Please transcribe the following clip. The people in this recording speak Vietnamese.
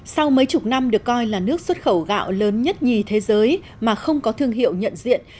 sau mấy chục năm được coi là nước xuất khẩu gạo lớn nhất nhì thế giới mà không có thương hiệu nhận diện